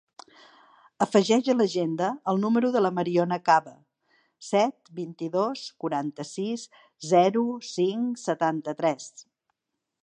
Afegeix a l'agenda el número de la Mariona Caba: set, vint-i-dos, quaranta-sis, zero, cinc, setanta-tres.